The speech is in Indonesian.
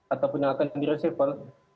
atau punya akun di resapel